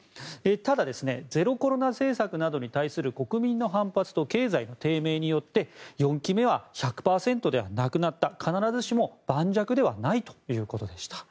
ただゼロコロナ政策などに対する国民の反発と経済の低迷によって４期目は１００％ではなくなった必ずしも盤石ではないということでした。